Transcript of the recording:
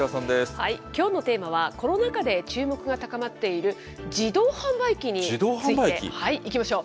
きょうのテーマは、コロナ禍で注目が高まっている自動販売機について、いきましょう。